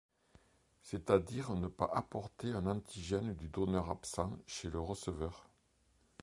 C’est-à-dire ne pas apporter un antigène du donneur absent chez le receveur.